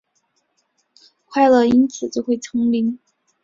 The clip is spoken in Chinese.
快乐因此就会重临？